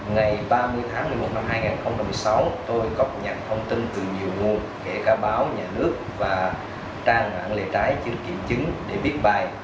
ngày ba mươi tháng một mươi một năm hai nghìn một mươi sáu tôi cập nhật thông tin từ nhiều nguồn kể cả báo nhà nước và trang mạng lề trái chưa kiểm chứng để viết bài